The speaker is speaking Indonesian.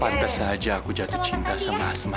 pantas saja aku jatuh cinta sama asma